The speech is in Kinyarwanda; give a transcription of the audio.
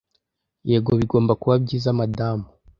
yego bigomba kuba byiza madamu